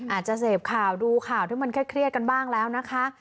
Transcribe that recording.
อาจจะเสพข่าวดูข่าวที่มันเครียดกันบ้างแล้วนะคะ